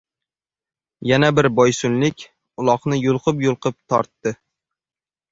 Yana bir boysunlik uloqni yulqib-yulqib tortdi